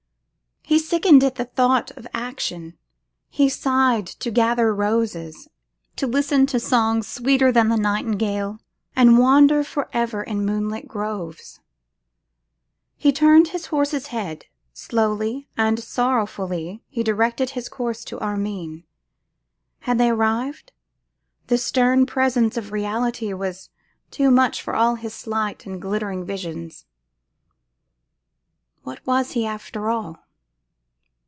He sickened at the thought of action. He sighed to gather roses, to listen to songs sweeter than the nightingale, and wander for ever in moon lit groves. He turned his horse's head: slowly and sorrowfully he directed his course to Armine. Had they arrived? The stern presence of reality was too much for all his slight and glittering visions. What was he, after all?